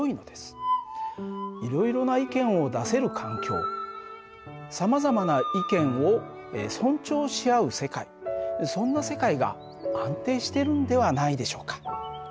いろいろな意見を出せる環境さまざまな意見を尊重し合う世界そんな世界が安定しているんではないでしょうか。